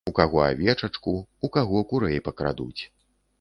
У каго авечачку, у каго курэй пакрадуць.